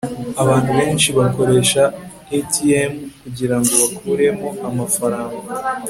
abantu benshi bakoresha atm kugirango bakuremo amafaranga